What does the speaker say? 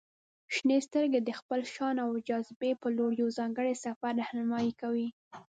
• شنې سترګې د خپل شان او جاذبې په لور یو ځانګړی سفر رهنمائي کوي.